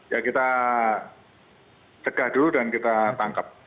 ya kita cegah dulu dan kita tangkap